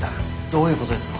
どういうことですか？